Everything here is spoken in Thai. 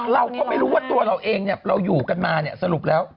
เพราะเราไม่รู้ว่าตัวเราเองเราอยู่กันมาสรุปแล้ว